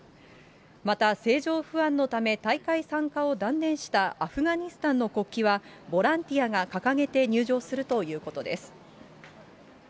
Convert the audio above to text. また、政情不安のため大会参加を断念したアフガニスタンの国旗は、ボランティアが掲げて入場するということです。